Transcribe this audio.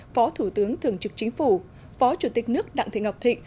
phó thủ tướng thường trực chính phủ phó chủ tịch nước đặng thị ngọc thịnh